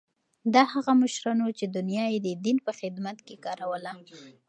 دا هغه مشران وو چې دنیا یې د دین په خدمت کې کاروله.